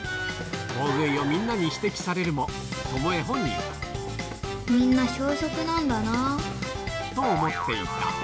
大食いをみんなに指摘されるみんな小食なんだな。と思っていた。